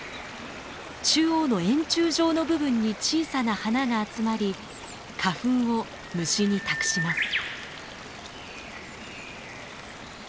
中央の円柱状の部分に小さな花が集まり花粉を虫に託します。